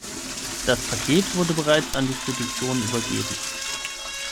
Das Paket wurde bereits an die Spedition übergeben.